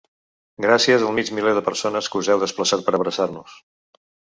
Gràcies al mig miler de persones que us heu desplaçat per abraçar-nos.